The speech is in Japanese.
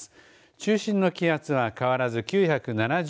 中心の気圧は変わらず９７０